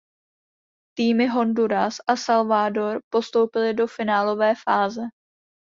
Týmy Honduras a Salvador postoupily do finálové fáze.